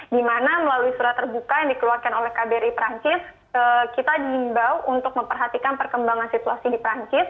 di mana melalui surat terbuka yang dikeluarkan oleh kbri perancis kita diimbau untuk memperhatikan perkembangan situasi di perancis